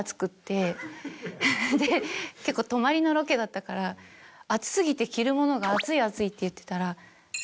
結構泊まりのロケだったから暑過ぎて「着るものが」。って言ってたら。